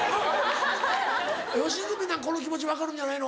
吉住なんかこの気持ち分かるんじゃないの？